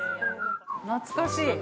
懐かしい。